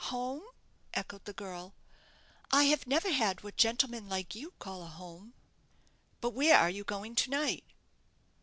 "Home!" echoed the girl. "I have never had what gentlemen like you call a home." "But where are you going to night?"